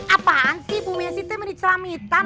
apaan sih bu messi tuh main di celamitan